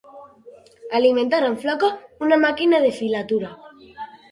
Alimentar amb floca una màquina de filatura.